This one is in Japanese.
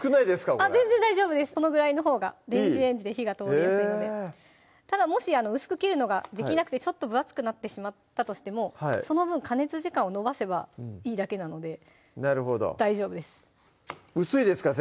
これ全然大丈夫ですこのぐらいのほうが電子レンジで火が通りやすいのでただもし薄く切るのができなくてちょっと分厚くなってしまったとしてもその分加熱時間を延ばせばいいだけなのでなるほど大丈夫です薄いですか？